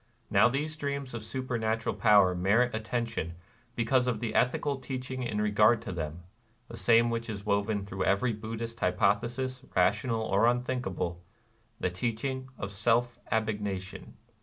... Now these dreams of supernatural power merit attention because of the ethical teaching in regard to them, — the same which is woven through every Buddhist hypothesis, rational or un thinkable, — the teaching of self abnegation.